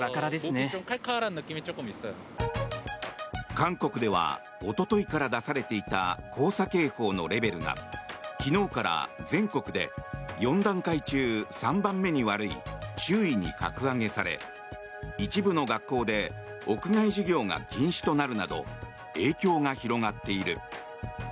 韓国ではおとといから出されていた黄砂警報のレベルが昨日から全国で４段階中３番目に悪い注意に格上げされ一部の学校で屋外授業が禁止となるなど影響が広がっている。